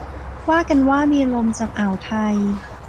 ว่ากันว่ามีลมจากอ่าวไทย